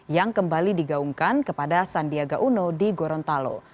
yang kembali digaungkan kepada sandiaga uno di gorontalo